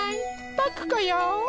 パクこよ！